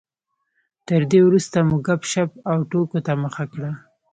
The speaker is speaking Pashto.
تر دې وروسته مو ګپ شپ او ټوکو ته مخه کړه.